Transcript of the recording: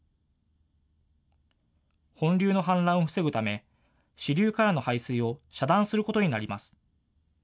本流の氾濫を防ぐため支流からの排水を遮断することになります。